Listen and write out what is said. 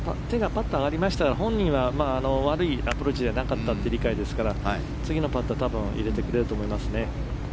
手がパッと上がりましたから本人は悪いアプローチじゃなかっていう理解ですから次のパット多分入れてくれると思いますね。